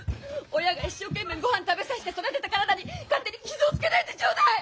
親が一生懸命御飯食べさせて育てた体に勝手に傷をつけないでちょうだい！